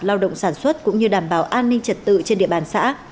lao động sản xuất cũng như đảm bảo an ninh trật tự trên địa bàn xã